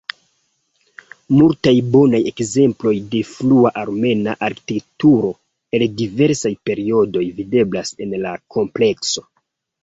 Multaj bonaj ekzemploj de frua armena arkitekturo el diversaj periodoj videblas en la komplekso.